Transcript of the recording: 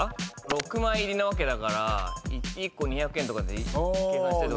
６枚入りなわけだから１個２００円とかで計算して。